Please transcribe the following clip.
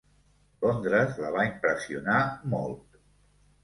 Londres la va impressionar molt.